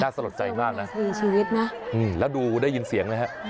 น่าสนใจมากนะชีวิตนะอืมแล้วดูได้ยินเสียงนะฮะ